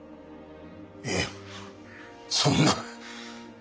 いえそんな。